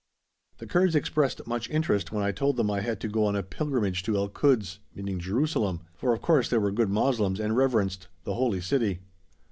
The Kurds expressed much interest when I told them I had to go on a pilgrimage to El Kuds (meaning Jerusalem), for of course they were good Moslems and reverenced the Holy City.